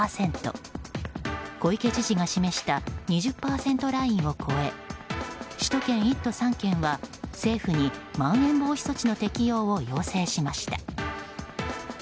小池知事が示した２０％ラインを超え首都圏１都３県は、政府にまん延防止措置の適用を要請しました。